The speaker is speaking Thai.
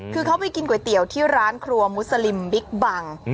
คือเขาไปกินก๋วยเตี๋ยวที่ร้านครัวมุสลิมบิ๊กบัง